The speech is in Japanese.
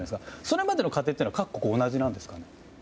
それまでの過程は各国、同じなんですか。